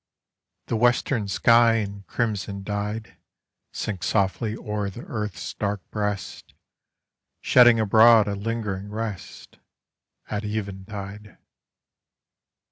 The western sky in crimson dyed Sinks softly o'er the earth's dark breast, Shedding abroad a Hngering rest, At even tide.